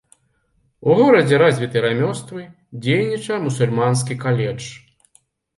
У горадзе развіты рамёствы, дзейнічае мусульманскі каледж.